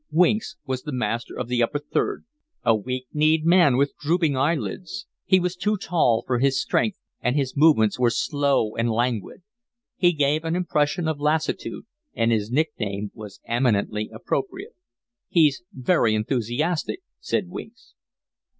Winks was the master of the upper third, a weak kneed man with drooping eye lids, He was too tall for his strength, and his movements were slow and languid. He gave an impression of lassitude, and his nickname was eminently appropriate. "He's very enthusiastic," said Winks.